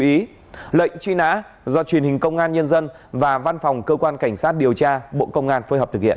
ý lệnh truy nã do truyền hình công an nhân dân và văn phòng cơ quan cảnh sát điều tra bộ công an phối hợp thực hiện